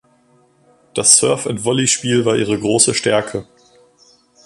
Das Serve-und-Volley-Spiel war ihre große Stärke.